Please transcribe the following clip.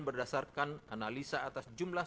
berdasarkan analisa atas jumlah